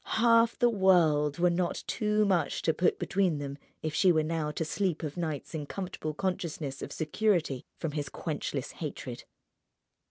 Half the world were not too much to put between them if she were now to sleep of nights in comfortable consciousness of security from his quenchless hatred.